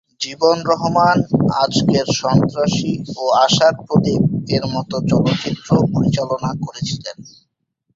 জীবন রহমান "আজকের সন্ত্রাসী" ও "আশার প্রদীপ" এর মত চলচ্চিত্রও পরিচালনা করেছিলেন।